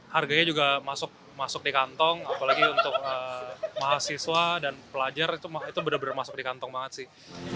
harganya juga masuk di kantong apalagi untuk mahasiswa dan pelajar itu benar benar masuk di kantong banget sih